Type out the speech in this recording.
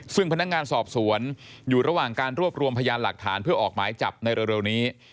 ซึ่งพนักงานสอบสวนอยู่ระหว่างการรวบรวมพยานหลักฐานเพื่อออกหมายจับในเร็วนี้